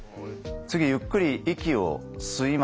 次ゆっくり息を吸います。